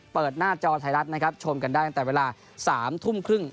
เปิดหน้าจอไทยรัฐนะครับชมกันได้ตั้งแต่เวลา๓ทุ่มครึ่ง